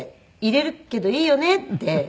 入れるけどいいよねって。